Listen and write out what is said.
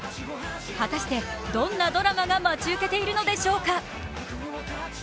果たして、どんなドラマが待ち受けているのでしょうか？